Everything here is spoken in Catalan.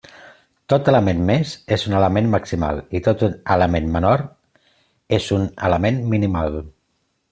Tot element més és un element maximal, i tot element menor és un element minimal.